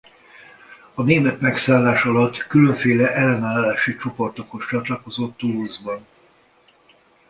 A német megszállás alatt különféle ellenállási csoportokhoz csatlakozott Toulouse-ban.